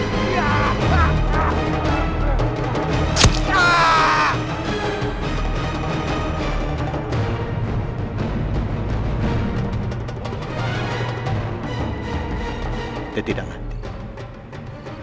dia tidak ngantik